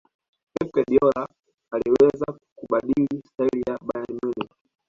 pep guardiola aliweza kubadili staili ya bayern munich